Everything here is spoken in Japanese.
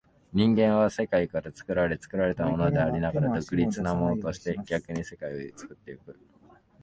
人間は世界から作られ、作られたものでありながら独立なものとして、逆に世界を作ってゆく。